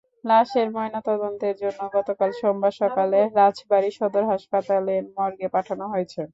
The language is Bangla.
লাশের ময়নাতদন্তের জন্য গতকাল সোমবার সকালে রাজবাড়ী সদর হাসপাতালের মর্গে পাঠানো হয়েছে।